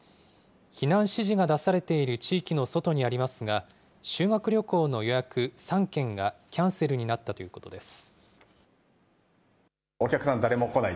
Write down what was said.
避難指示が出されている地域の外にありますが、修学旅行の予約３件がキャンセルになったということです。